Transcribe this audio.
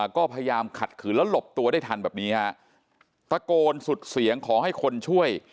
ก็พยายามขัดขืนแล้วหลบตัวได้ทันแบบนี้ฮะตะโกนสุดเสียงขอให้คนช่วย